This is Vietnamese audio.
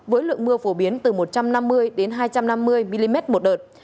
với lượng mưa phổ biến từ một trăm năm mươi đến hai trăm năm mươi mm một đợt